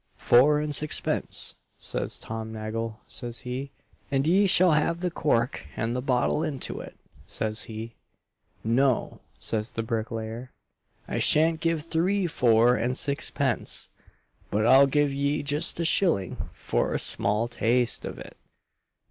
'Four and sixpence,' says Tom Nagle, says he, 'and ye shall have the corck and the bottle into it,' says he. 'No,' says the bricklayer 'I sha'n't give thee four and sixpence, but I'll give ye just a shilling for a small taaste of it.'